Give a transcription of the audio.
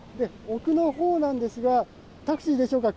奥のほうなんですがタクシーでしょうか